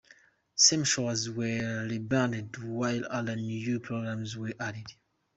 Some shows were rebranded while other new programs were added.